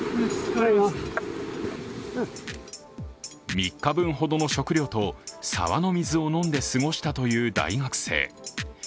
３日分ほどの食料と沢の水を飲んで過ごしたという大学生。